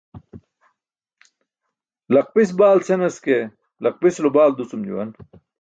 "laqpis baalt" senas ke, laqpisulo balt ducum juwan.